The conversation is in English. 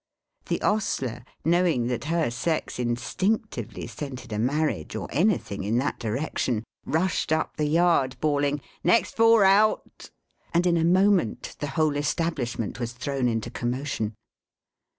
The ostler, knowing that her sex instinctively scented a marriage, or anything in that direction, rushed up the yard bawling, "Next four out!" and in a moment the whole establishment was thrown into commotion.